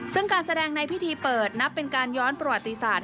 ซึ่งการแสดงในพิธีเปิดนับเป็นการย้อนประวัติศาสต